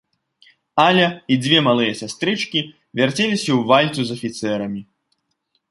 Аля і дзве малыя сястрычкі вярцеліся ў вальцу з афіцэрамі.